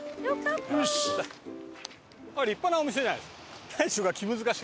立派なお店じゃないですか。